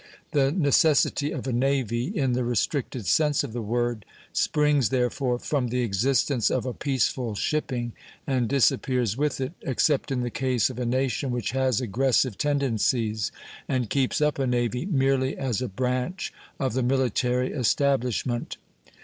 The necessity of a navy, in the restricted sense of the word, springs, therefore, from the existence of a peaceful shipping, and disappears with it, except in the case of a nation which has aggressive tendencies, and keeps up a navy merely as a branch of the military establishment.